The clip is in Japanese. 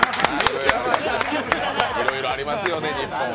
いろいろありますよね。